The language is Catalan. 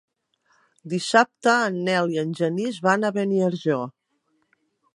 Dissabte en Nel i en Genís van a Beniarjó.